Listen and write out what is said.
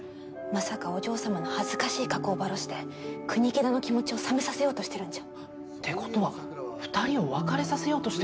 まさかお嬢様の恥ずかしい過去をバラして国木田の気持ちを冷めさせようとしてるんじゃ？って事は２人を別れさせようとしてるって事ですか？